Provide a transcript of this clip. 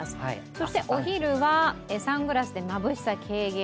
そしてお昼はサングラスでまぶしさ軽減。